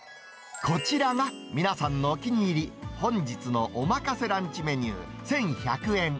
こちらが皆さんのお気に入り、本日のおまかせランチメニュー１１００円。